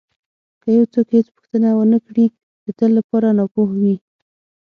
که یو څوک هېڅ پوښتنه ونه کړي د تل لپاره ناپوه وي.